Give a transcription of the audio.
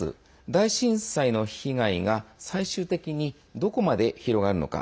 大震災の被害が最終的にどこまで広がるのか。